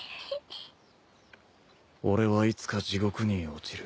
俺はいつか地獄に落ちる。